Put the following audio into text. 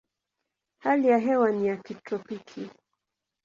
Hali ya hewa ni ya kitropiki.